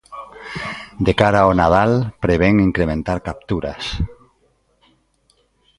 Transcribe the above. De cara ao Nadal prevén incrementar capturas.